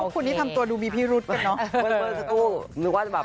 คุณนี่ทำตัวดูบีบีรุ๊ดกันเนอะ